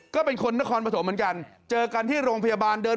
ก็นครปฐมเจอกันที่ตลาด